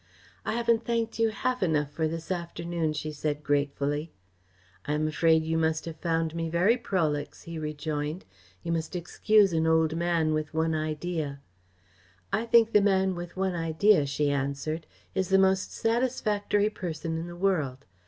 "I haven't thanked you half enough for this afternoon," she said gratefully. "I am afraid you must have found me very prolix," he rejoined. "You must excuse an old man with one idea." "I think the man with one idea," she answered, "is the most satisfactory person in the world.